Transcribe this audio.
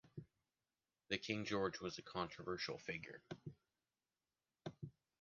The King George was a controversial figure.